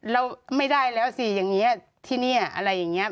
เราไม่ได้แล้วสิอย่างนี้ที่นี่อะไรอย่างนี้